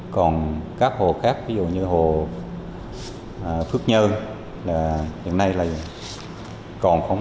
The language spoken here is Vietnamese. còn các hồ khác ví dụ như hồ phước nhơn hiện nay là còn có một mươi một